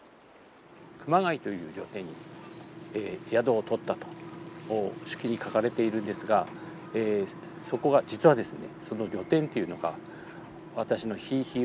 熊谷という旅店に宿をとったと手記に書かれているんですがそこが実はですね